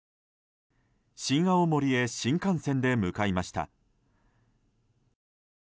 新青森へ新幹線で向かいました。